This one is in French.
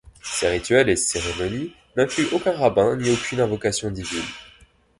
Ses rituels et cérémonies n'incluent aucun rabbin ni aucune invocation divine.